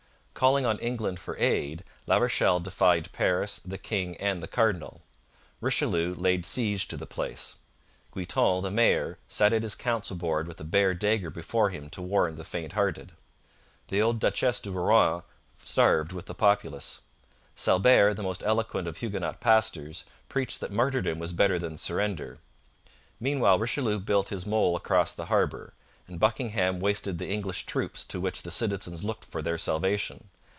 Calling on England for aid, La Rochelle defied Paris, the king, and the cardinal. Richelieu laid siege to the place. Guiton, the mayor, sat at his council board with a bare dagger before him to warn the faint hearted. The old Duchesse de Rohan starved with the populace. Salbert, the most eloquent of Huguenot pastors, preached that martyrdom was better than surrender. Meanwhile, Richelieu built his mole across the harbour, and Buckingham wasted the English troops to which the citizens looked for their salvation.